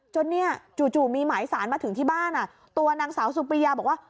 จนเนี่ยจู่มีหมายสารมาถึงที่บ้านตัวนางสาวสุปริยาบอกว่า